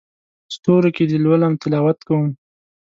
ستورو کې دې لولم تلاوت کوم